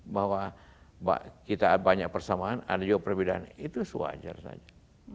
bahwa kita banyak persamaan ada juga perbedaan itu wajar saja